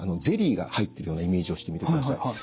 ゼリーが入ってるようなイメージをしてみてください。